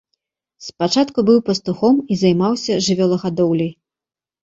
Спачатку быў пастухом і займаўся жывёлагадоўляй.